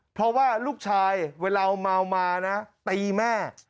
เพราะว่าลูกชายเวลาเมามานะตีแม่